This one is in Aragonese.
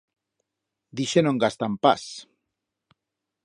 D'ixe no en gastan pas.